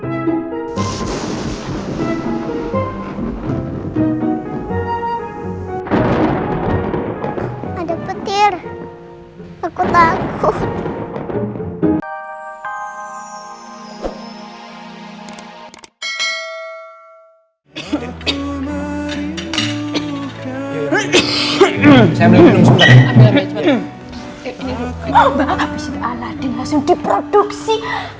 abis ini aladin langsung diproduksi